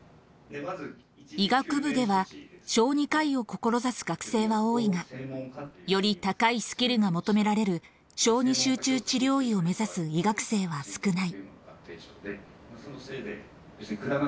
医学部では、小児科医を志す学生は多いが、より高いスキルが求められる小児集中治療医を目指す医学生は少ない。